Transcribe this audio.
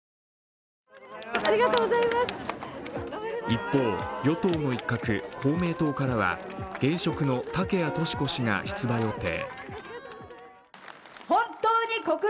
一方、与党の一角・公明党からは現職の竹谷とし子氏が出馬予定。